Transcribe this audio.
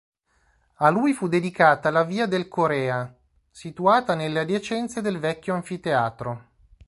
A lui fu dedicata la via del Corea situata nelle adiacenze del vecchio anfiteatro.